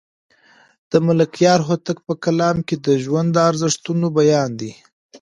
د ملکیار هوتک په کلام کې د ژوند د ارزښتونو بیان دی.